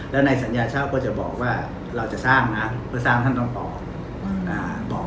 แล้วในสัญญาเช่าก็จะบอกว่าเราจะสร้างนะเพื่อสร้างท่านต้องต่อต่อ